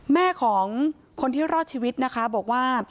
แม่ของคนที่รอดชีวิตนะคะบอกว่า